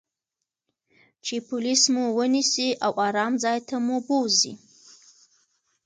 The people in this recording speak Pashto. چې پولیس مو و نییسي او آرام ځای ته مو بوزي.